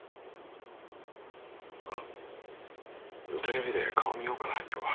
あっテレビで顔見ようかな今日は。